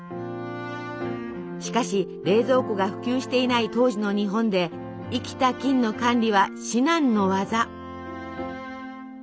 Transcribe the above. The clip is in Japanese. しかし冷蔵庫が普及していない当時の日本で生きた菌の管理は至難の業。